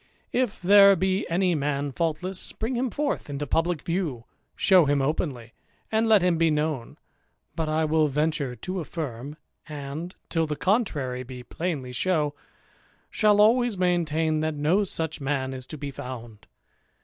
If there be any man faultless, bring him forth into pubh'c view, show him openly, and let him be known ; but I will venture to afSrm, and, till the contrary be plainly shown, shall always maintain, that no such man is to be found.